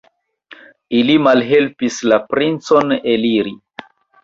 Ili malhelpis la princon eliri.